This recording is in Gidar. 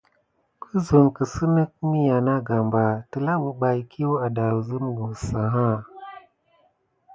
Kogan isa nà kisinek miya nà gambà, telā bebaye kia adesumku seya.